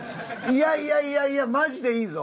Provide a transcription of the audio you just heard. いやいやいやいやマジでいいぞ！